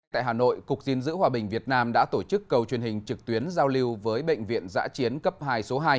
tại hà nội cục diên dữ hòa bình việt nam đã tổ chức cầu truyền hình trực tuyến giao lưu với bệnh viện giã chiến cấp hai số hai